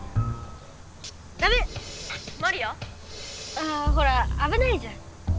ああほらあぶないじゃん。